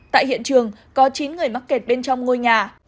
tại hiện trường có chín người mắc kẹt bên trong ngôi nhà